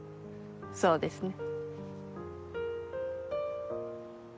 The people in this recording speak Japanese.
そうですね。